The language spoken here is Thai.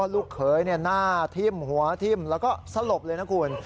ลูกเขยหน้าทิ่มหัวทิ้มแล้วก็สลบเลยนะคุณ